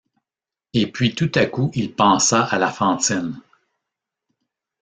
Et puis tout à coup il pensa à la Fantine.